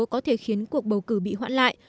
có thể khiến cuộc bầu cử bị hoãn lại